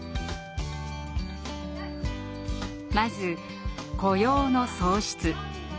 まず雇用の創出。